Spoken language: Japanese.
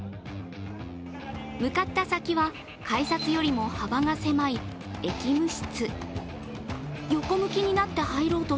向かった先は、改札よりも幅が狭い駅務室。